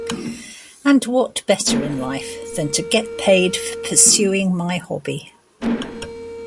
And what better in life than to get paid for pursuing my hobby?